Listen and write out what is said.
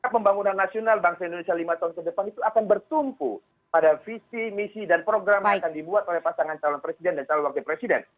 pembangunan nasional bangsa indonesia lima tahun ke depan itu akan bertumpu pada visi misi dan program yang akan dibuat oleh pasangan calon presiden dan calon wakil presiden